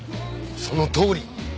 そのとおり！